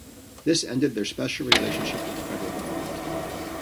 This ended their special relationship with the federal government.